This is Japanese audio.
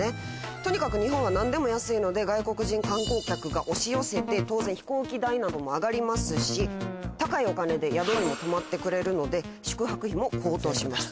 とにかく日本は何でも安いので外国人観光客が押し寄せて当然飛行機代なども上がりますし高いお金で宿にも泊まってくれるので宿泊費も高騰します。